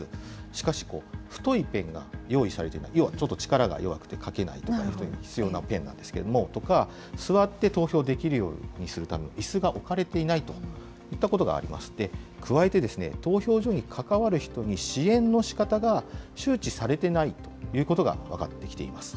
しかし、太いペンが用意されても、ちょっと力がなくて書けないとかいう人に必要なペンなんですとか、座って投票できるようにするために、いすが置かれていないといったことがありまして、加えて、投票所に関わる人に支援のしかたが周知されていないということが分かってきています。